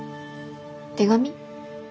手紙？